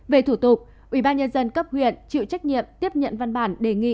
về thủ tục ubnd cấp huyện chịu trách nhiệm tiếp nhận văn bản đề nghị